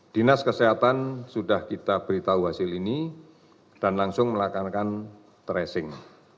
dinas kesehatan sudah kita beritahu hasil ini dan langsung melaksanakan tracing